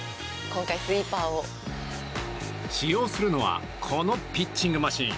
使用するのはこのピッチングマシン。